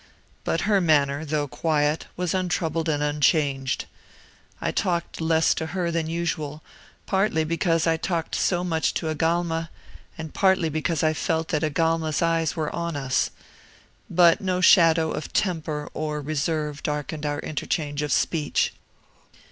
But her manner, though quiet, was untroubled and unchanged. I talked less to her than usual, partly because I talked so much to Agalma, and partly because I felt that Agalma's eyes were on us. But no shadow of 'temper' or reserve darkened our interchange of speech.